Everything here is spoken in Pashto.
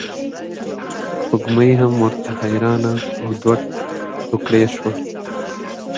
سپوږمۍ هم ورته حیرانه او دوه توکړې شوه.